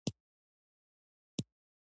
آمو سیند د افغانستان د بشري فرهنګ برخه ده.